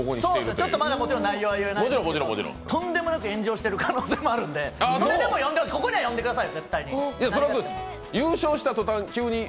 ちょっとまだ内容は言えないですけどとんでもなく炎上してる可能性もあるので、それでもここには呼んでください。